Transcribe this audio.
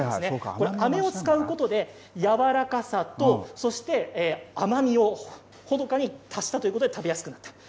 これあめを使うことで柔らかさとそして甘味をほのかに足したということで食べやすくなった。